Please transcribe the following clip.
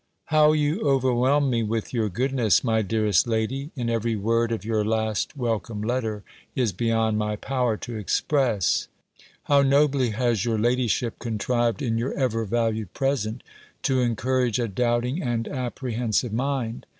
_ How you overwhelm me with your goodness, my dearest lady, in every word of your last welcome letter, is beyond my power to express I How nobly has your ladyship contrived, in your ever valued present, to encourage a doubting and apprehensive mind!